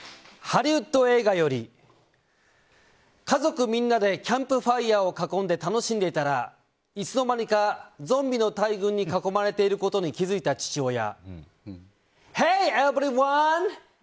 ハリウッド映画より家族みんなでキャンプファイヤー囲んで楽しんでいたらいつの間にかゾンビの大群に囲まれていることに気づいた父親。